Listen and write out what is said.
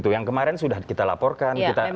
yang kemarin sudah kita laporkan